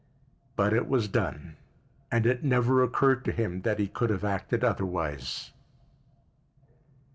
But it was done and it never occurred to him that he could have acted otherwise.